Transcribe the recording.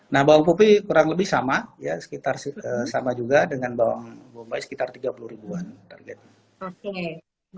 nah bawang putih kurang lebih sama ya sekitar sama juga dengan bawang bombay sekitar tiga puluh ribuan targetnya